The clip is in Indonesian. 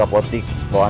kamu sudah ke rumah